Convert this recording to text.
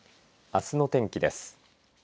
あすの天気です。